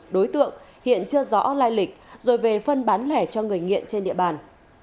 đối tượng hiện chưa rõ lai lịch rồi về phân bán lẻ cho người nghiện trên địa bàn